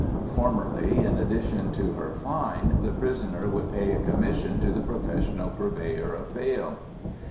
Formerly, in addition to her fine, the prisoner would pay a commission to the professional purveyor of bail.